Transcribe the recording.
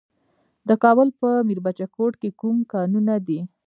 د کابل په میربچه کوټ کې کوم کانونه دي؟